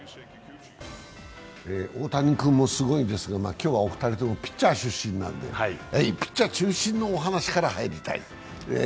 大谷君もすごいですが、今日はお二人ともピッチャー出身なのでピッチャー中心のお話から入りたい。